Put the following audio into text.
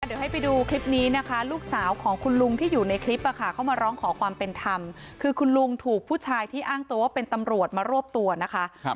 เดี๋ยวให้ไปดูคลิปนี้นะคะลูกสาวของคุณลุงที่อยู่ในคลิปเขามาร้องขอความเป็นธรรมคือคุณลุงถูกผู้ชายที่อ้างตัวว่าเป็นตำรวจมารวบตัวนะคะ